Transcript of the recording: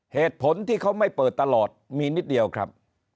เหตุผลที่เขาไม่เปิดตลอดมีนิดเดียวครับ